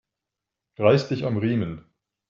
Reiß dich am Riemen!